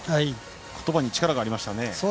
言葉に力がありましたね。